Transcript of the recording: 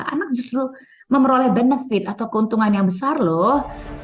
anak justru memperoleh benefit atau keuntungan yang besar loh